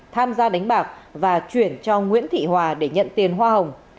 tham gia đánh bạc và chuyển cho nguyễn thị hòa để nhận tiền hoa hồng